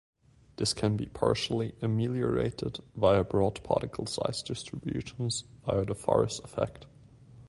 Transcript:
This can be partially ameliorated via broad particle size distributions via the Farris effect.